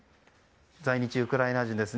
在日ウクライナ人です。